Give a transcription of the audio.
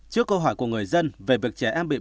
trước câu hỏi của người dân về việc trẻ em bị bệnh